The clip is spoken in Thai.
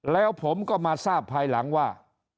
แล้วผมก็มาทราบภายหลังว่า